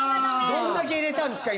どれだけ入れたんですか？